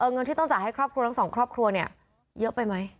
เงินที่ต้องจ่ายให้ครอบครัวทั้งสองครอบครัวเนี่ยเยอะไปไหม